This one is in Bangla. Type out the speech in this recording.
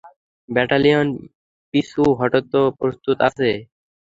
ব্যাটালিয়ন পিছু হটতে প্রস্তুত আছে।